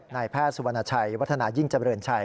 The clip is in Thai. นายแพทย์สุวรรณชัยวัฒนายิ่งเจริญชัย